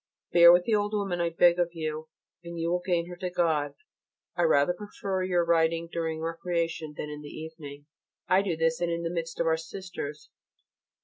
Bear with the old woman, I beg of you, and you will gain her to God. I rather prefer your writing during recreation than in the evening. I do this, and in the midst of our Sisters.